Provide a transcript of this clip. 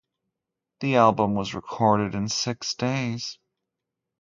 The album was recorded in six days.